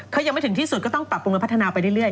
ถ้ายังไม่ถึงที่สุดก็ต้องปรับปรุงและพัฒนาไปเรื่อย